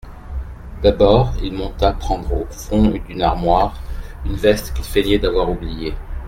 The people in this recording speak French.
D'abord, il monta prendre au fond d'une armoire une veste qu'il feignait d'avoir oubliée.